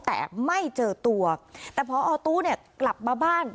แต่ไม่เจอตัวแต่พอตู้เนี่ยกลับมาบ้าน